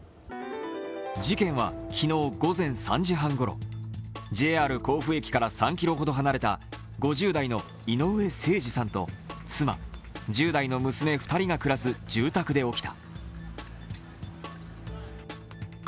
事件は昨日午前３時半ごろ、ＪＲ甲府駅から３ｋｍほど離れた５０代の井上盛司さんと妻、１０代の娘２人が暮らす住宅で起きた。